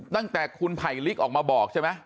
ตั้งแต่คุณไผลลิกออกมาบอกใช่ไหม